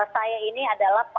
saya ini adalah